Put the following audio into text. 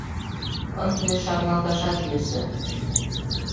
Ынде шарналташат йӧсӧ.